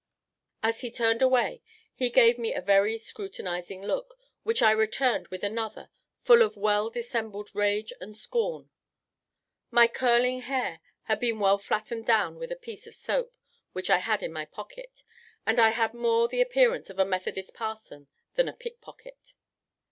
As he turned away, he gave me a very scrutinizing look, which I returned with another, full of well dissembled rage and scorn. My curling hair had been well flattened down with a piece of soap, which I had in my pocket, and I had much more the appearance of a Methodist parson than a pickpocket.